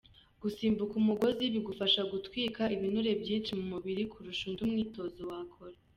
Gusimbuka umugozi bigufasha gutwika ibinure byinshi mu mubiri kurusha undi mwitozo wakora.